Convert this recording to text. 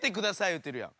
言うてるやん。